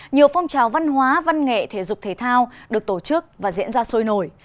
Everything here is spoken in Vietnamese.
nhiều phong trào văn hóa văn nghệ thể dục thể thao được tổ chức và diễn ra sôi nổi